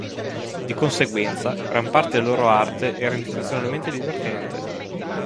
Di conseguenza, gran parte della loro arte era intenzionalmente divertente.